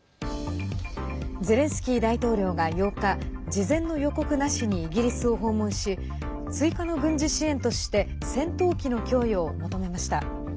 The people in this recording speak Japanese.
ゼレンスキー大統領が８日事前の予告なしにイギリスを訪問し追加の軍事支援として戦闘機の供与を求めました。